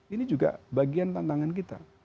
ini juga bagian tantangan kita